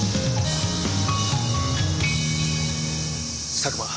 佐久間